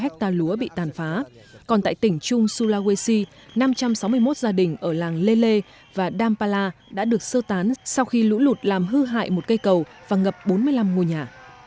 cơ quan tại tỉnh trung sulawesi năm trăm sáu mươi một gia đình ở làng lele và dampala đã được sơ tán sau khi lũ lụt làm hư hại một cây cầu và ngập bốn mươi năm ngôi nhà